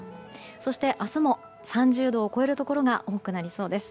そして、明日も３０度を超えるところが多くなりそうです。